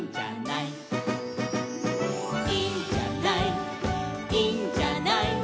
「いいんじゃないいいんじゃない」